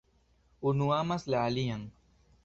Unu amas la alian.